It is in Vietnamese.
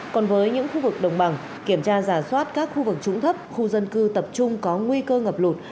còn với những khu vực đồng bằng kiểm tra giả soát các khu vực trũng thấp khu dân cư tập trung có nguy cơ ngập lụt